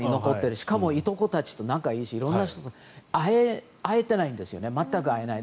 しかも、いとこたちと仲がいいし色んな人と会えてないんですよね全く会えない。